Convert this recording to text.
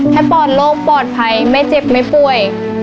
ปลอดโรคปลอดภัยไม่เจ็บไม่ป่วย